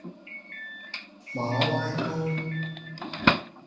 馬拉糕